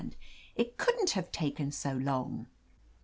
"It couldn't have taken so long!"